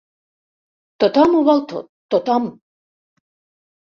Tothom ho vol tot, tothom!